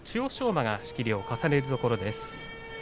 馬が仕切りを重ねるところです。